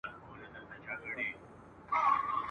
ارغوان او هر ډول ښکلیو !.